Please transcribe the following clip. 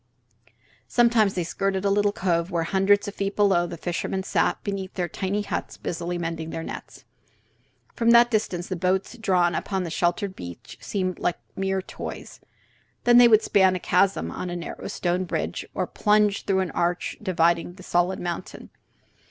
Sometimes they skirted a little cove where, hundreds of feet below, the fishermen sat before their tiny huts busily mending their nets. From that distance the boats drawn upon the sheltered beach seemed like mere toys. Then they would span a chasm on a narrow stone bridge, or plunge through an arch dividing the solid mountain.